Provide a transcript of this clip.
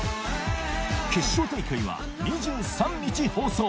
決勝大会は２３日放送